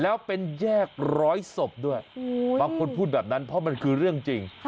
แล้วเป็นแยกร้อยศพด้วยบางคนพูดแบบนั้นเพราะมันคือเรื่องจริง